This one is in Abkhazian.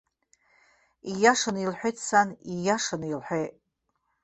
Ииашаны илҳәеит сан, ииашаны илҳәеит.